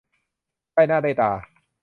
ได้หน้าได้ตา